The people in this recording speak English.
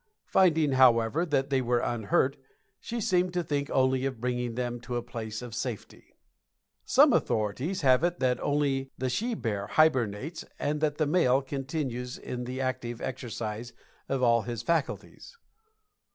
Finding, however, that they were unhurt, she seemed to think only of bringing them to a place of safety." Some authorities have it that only the she bear hibernates and that the male continues in the active exercise of all his faculties.